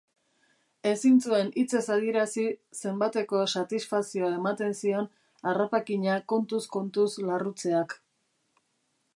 Ezin zuen hitzez adierazi zenbateko satisfazioa ematen zion harrapakina kontuz-kontuz larrutzeak.